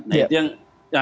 nah itu yang